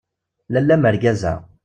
Lalla mergaza!